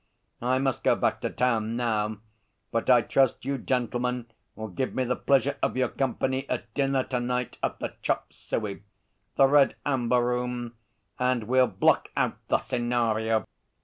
I must go back to town now, but I trust you gentlemen will give me the pleasure of your company at dinner to night at the Chop Suey the Red Amber Room and we'll block out the scenario.'